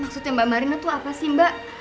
maksudnya mbak marina tuh apa sih mbak